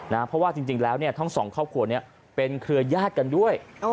เพราะว่าจริงแล้วทั้ง๒ครอบครัวเป็นเครือยาดกันด้วย